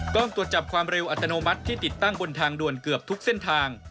ตรวจจับความเร็วอัตโนมัติที่ติดตั้งบนทางด่วนเกือบทุกเส้นทาง